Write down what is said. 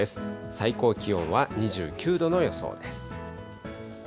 最高気温は２９度の予想です。